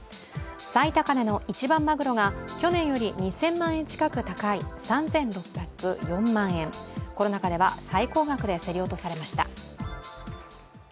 最高値の一番まぐろが去年より２０００万円近く高い３６０４万円、コロナ禍では最高額で競り落とされました。